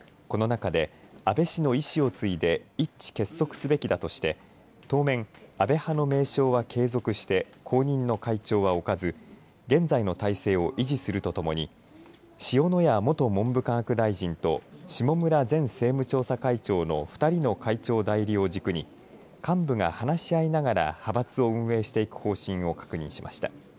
この中で安倍氏の遺志を継いで一致結束すべきだとして当面、安倍派の名称は継続して後任の会長はおかず現在の体制を維持するとともに塩谷元文部科学大臣と下村前政務調査会長の２人の会長代理を軸に幹部が話し合いながら派閥を運営していく方針を確認しました。